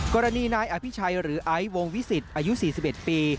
กรณีนายอภิชัยหรือไอซ์วงวิสิตอายุ๔๑ปี